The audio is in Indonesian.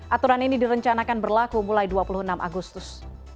aturan ini direncanakan berlaku mulai dua puluh enam agustus